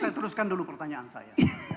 saya teruskan dulu pertanyaan saya